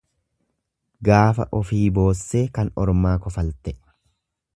Gaafa ofii boossee kan ormaa kofalte.